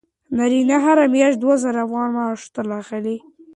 نازیه هره میاشت دوه زره افغانۍ معاش ترلاسه کوي.